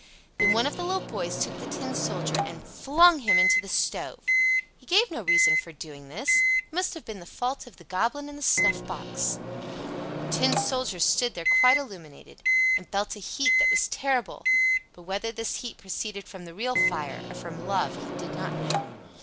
Then one of the little boys took the Tin Soldier and flung him into the stove. He gave no reason for doing this. It must have been the fault of the Goblin in the snuffbox. The Tin Soldier stood there quite illuminated, and felt a heat that was terrible; but whether this heat proceeded from the real fire or from love he did not know.